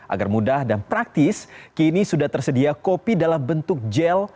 agar mudah dan praktis kini sudah tersedia kopi dalam bentuk gel